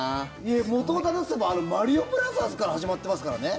もとを正せば「マリオブラザーズ」から始まってますからね。